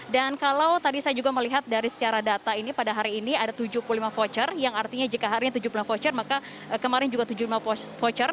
dan kalau tadi saya juga melihat dari secara data ini pada hari ini ada tujuh puluh lima voucher yang artinya jika harinya tujuh puluh lima voucher maka kemarin juga tujuh puluh lima voucher